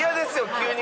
急に。